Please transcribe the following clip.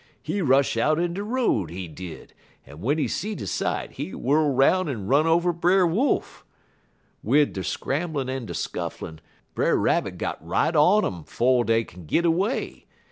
He rush out in de road, he did, en w'en he see de sight, he whirl 'roun' en run over Brer Wolf. Wid der scramblin' en der scufflin', Brer Rabbit got right on um 'fo' dey kin git away.